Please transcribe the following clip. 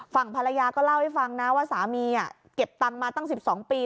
ฝั่งภรรยาก็เล่าให้ฟังนะว่าสามีเก็บตังค์มาตั้ง๑๒ปี